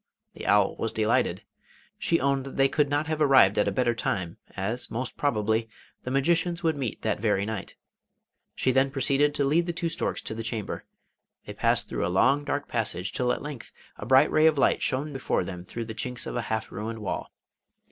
The owl was delighted. She owned that they could not have arrived at a better time, as most probably the magicians would meet that very night. She then proceeded to lead the two storks to the chamber. They passed through a long dark passage till at length a bright ray of light shone before them through the chinks of a half ruined wall.